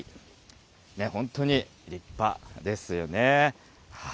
本当に立派ですよね。